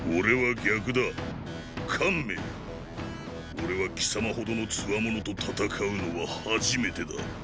俺は貴様ほどの強者と戦うのは初めてだ。